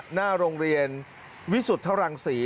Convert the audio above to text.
หน้าโรงเรียนวิสุทธรังศรี